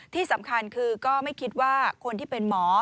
ที่สำคัญคือก็ไม่คิดว่าคนที่เป็นหมอ